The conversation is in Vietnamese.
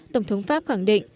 tổng thống pháp khẳng định